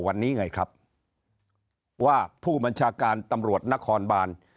วันนี้ไงครับว่าผู้บัญชาการตำรวจนครบาน